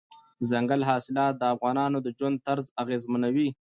دځنګل حاصلات د افغانانو د ژوند طرز اغېزمنوي.